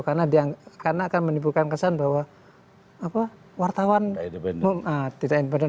karena akan menimbulkan kesan bahwa wartawan tidak independen